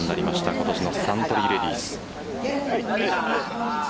今年のサントリーレディス。